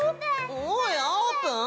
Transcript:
おいあーぷん。